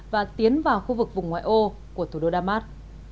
và tiến vào khu vực vùng ngoại ô của thủ đô đa mát